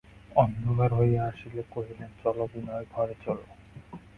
অন্ধকার হইয়া আসিলে কহিলেন, চলো, বিনয়, ঘরে চলো।